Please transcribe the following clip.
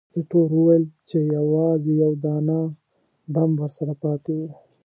ایټور وویل چې، یوازې یو دانه بم ورسره پاتې وو.